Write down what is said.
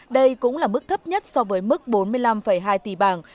đây cũng là mức thấp nhất so với mức bốn mươi năm hai tỷ bảng